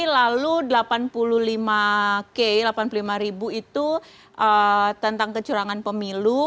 lalu delapan puluh lima k delapan puluh lima ribu itu tentang kecurangan pemilu